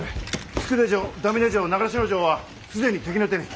作手城田峯城長篠城は既に敵の手に。